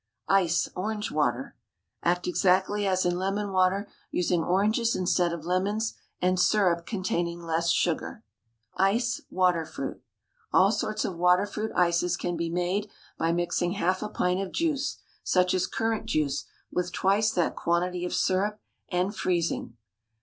ICE, ORANGE WATER. Act exactly as in lemon water, using oranges instead of lemons, and syrup containing less sugar. ICE, WATER FRUIT. All sorts of water fruit ices can be made by mixing half a pint of juice, such as currant juice, with twice that quantity of syrup, and freezing.